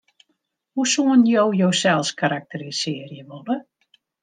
Hoe soenen jo josels karakterisearje wolle?